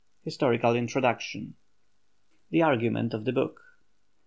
HISTORICAL INTRODUCTION. THE ARGUMENT OF THE BOOK.